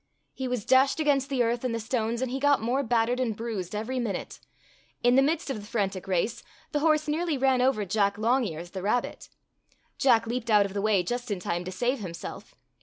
He was dashed against the earth and the stones, and he got more battered and bruised every minute. In the midst of the frantic race the horse nearly ran over Jack Longears, the rabbit. Jack leaped out of the way just in time to save himself.